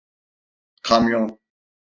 Kamyon.